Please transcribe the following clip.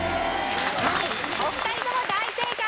お二人とも大正解。